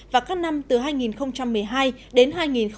và các năm từ hai nghìn một mươi hai đến hai nghìn một mươi tám